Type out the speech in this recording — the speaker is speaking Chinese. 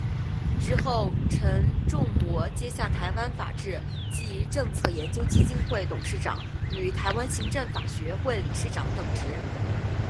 之后城仲模接下台湾法治暨政策研究基金会董事长与台湾行政法学会理事长等职。